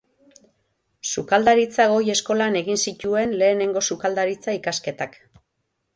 Sukaldaritza Goi Eskolan egin zituen lehenengo Sukaldaritza ikasketak.